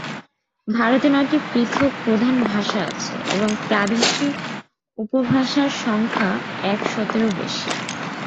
ভারতে নয়টি পৃথক প্রধান ভাষা আছে এবং প্রাদেশিক উপভাষার সংখ্যা একশতেরও বেশী।